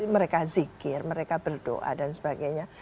mereka zikir mereka berdoa dan sebagainya